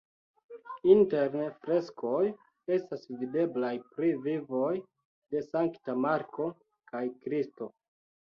Interne freskoj estas videblaj pri vivoj de Sankta Marko kaj Kristo.